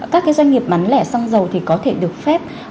các cái doanh nghiệp bán lẻ xăng dầu thì có thể được phép